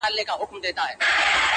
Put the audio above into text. هسې نه ستا آتسي زلفې زما بشر ووهي!!